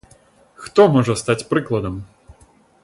Хто можа стаць прыкладам?